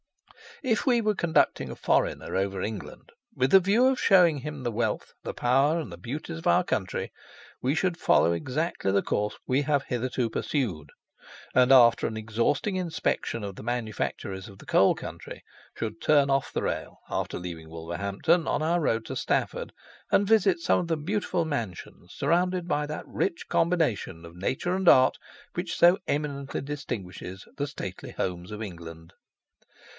If we were conducting a foreigner over England with the view of showing him the wealth, the power, and the beauties of our country, we should follow exactly the course we have hitherto pursued, and after an exhausting inspection of the manufactories of the coal country, should turn off the rail, after leaving Wolverhampton on our road to Stafford, and visit some of the beautiful mansions surrounded by that rich combination of nature and art which so eminently distinguishes the "stately homes of England."